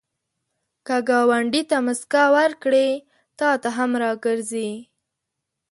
که ګاونډي ته مسکا ورکړې، تا ته هم راګرځي